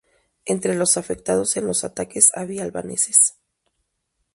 Entre los afectados en los ataques había albaneses.